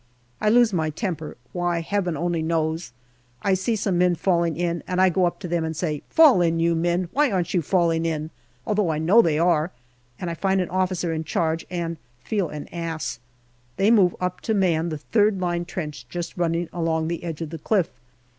I lose my temper why, Heaven only knows. I see some men falling in, and I go up to them and say, " Fall in, you men ; why aren't you falling in ?" although I know they are, and I find an officer in charge and feel an ass. They move up to man the third line trench just running along the edge of the cliff.